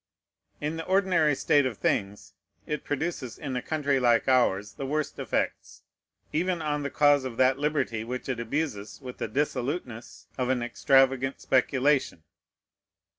In the ordinary state of things, it produces in a country like ours the worst effects, even on the cause of that liberty which it abuses with the dissoluteness of an extravagant speculation.